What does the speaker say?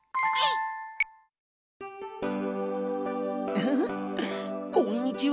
「ウフフこんにちは」。